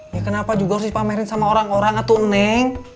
ya kenapa juga harus dipamerin sama orang orang atau neng